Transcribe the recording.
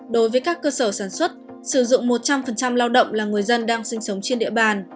đối với các cơ sở sản xuất sử dụng một trăm linh lao động là người dân đang sinh sống trên địa bàn